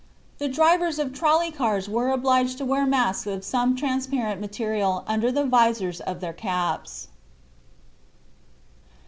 The drivers of trolley cars were obliged to wear masks of some transparent material under the vizors of their caps.